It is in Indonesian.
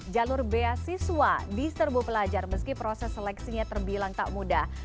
jalur beasiswa diserbu pelajar meski proses seleksinya terbilang tak mudah